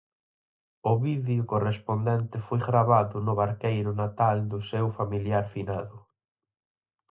O vídeo correspondente foi gravado no Barqueiro natal do seu familiar finado.